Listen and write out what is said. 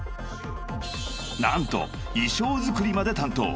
［何と衣装作りまで担当］